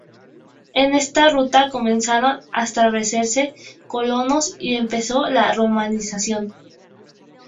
En esta ruta comenzaron a establecerse colonos y empezó la romanización.